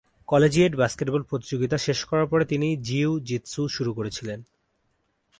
Collegiate basketball প্রতিযোগিতা শেষ করার পরে তিনি জিউ-জিতসু শুরু করেছিলেন।